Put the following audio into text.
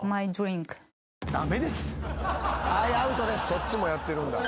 そっちもやってるんだ。